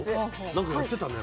何か言ってたね